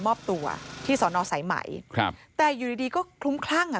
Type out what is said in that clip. มอบตัวที่สอนอสายไหมครับแต่อยู่ดีดีก็คลุ้มคลั่งอ่ะ